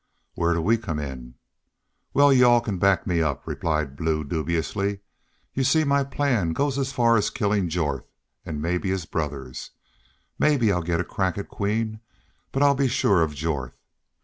"Where do we come in?" "Wal, y'u all can back me up," replied Blue, dubiously. "Y'u see, my plan goes as far as killin' Jorth an' mebbe his brothers. Mebbe I'll get a crack at Queen. But I'll be shore of Jorth.